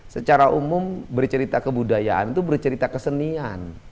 secara umum bercerita kebudayaan itu bercerita kesenian